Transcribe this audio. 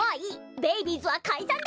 ベイビーズはかいさんだ！